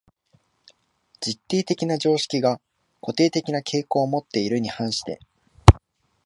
実定的な常識が固定的な傾向をもっているに反して、